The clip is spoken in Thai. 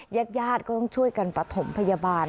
แยกย่าดก็ต้องช่วยกันประถมพยาบาล